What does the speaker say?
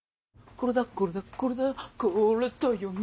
これだよこれだよこれだよこれだよね。